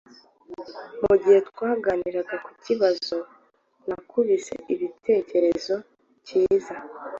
Mugihe twaganiraga kukibazo, nakubise igitekerezo cyiza.